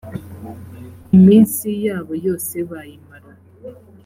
iminsi yabo yose bayimara